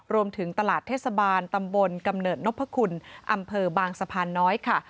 รวมถึงตลาดเทศบาลตำบลกำเนิดนพคุณอำเภอบางสะพานน้อยค่ะ